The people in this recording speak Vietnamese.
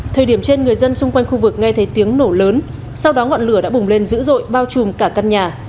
thời điểm trên người dân xung quanh khu vực nghe thấy tiếng nổ lớn sau đó ngọn lửa đã bùng lên dữ dội bao trùm cả căn nhà